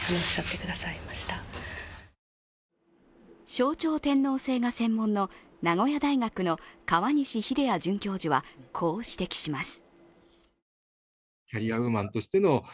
象徴天皇制が専門の名古屋大学の河西秀哉准教授はこう指摘します。